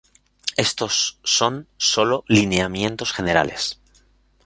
Estos son sólo lineamientos generales.